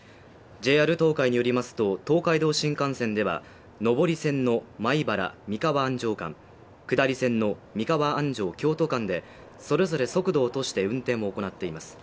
ＪＲ東海によりますと東海道新幹線では上り線の米原三河安城間下り線の三河安城京都間でそれぞれ速度を落として運転を行っています